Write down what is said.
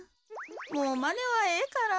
もうまねはええから。